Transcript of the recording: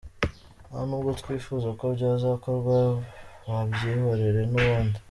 Nta nubwo twifuza ko byazakorwa, babyihorera n’ubundi.